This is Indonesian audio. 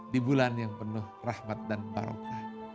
di bulan yang penuh rahmat dan barokah